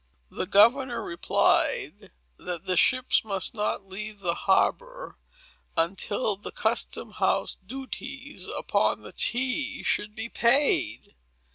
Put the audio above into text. The governor replied that the ships must not leave the harbor, until the custom house duties upon the tea should be paid.